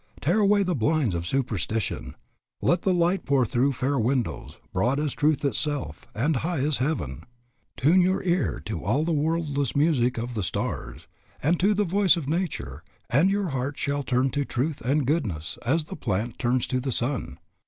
Tear away The blinds of superstition: let the light Pour through fair windows, broad as truth itself And high as heaven. ... Tune your ear To all the worldless music of the stars And to the voice of nature, and your heart Shall turn to truth and goodness as the plant Turns to the sun.